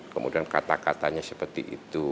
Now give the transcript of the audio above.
kemudian kata katanya seperti itu